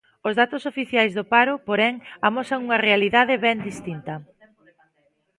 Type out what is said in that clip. Os datos oficiais do paro, porén, amosan unha realidade ben distinta.